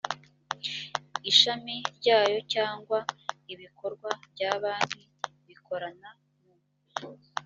ishami ryayo cyangwa ibikorwa bya banki bikorana mu